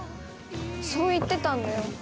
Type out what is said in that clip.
そう言ってたんだよ